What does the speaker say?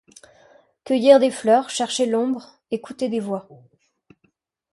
Cueillir des fleurs, chercher l'ombre, écouter des voix